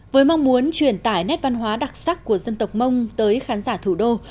với mong muốn truyền tải nét văn hóa đặc sắc của dân tộc mông tới khán giả thủ đô